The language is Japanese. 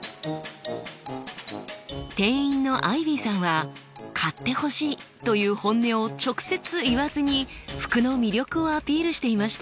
店員のアイビーさんは買ってほしいという本音を直接言わずに服の魅力をアピールしていました。